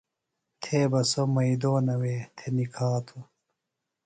تھے بہ سوۡ مئیدونہ وے تھےۡ نِکھاتوۡ